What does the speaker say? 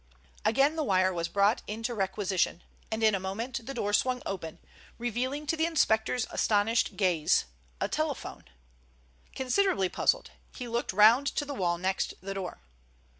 Again the wire was brought into requisition, and in a moment the door swung open, revealing to the inspector's astonished gaze—a telephone. Considerably puzzled, he looked round to the wall next the door.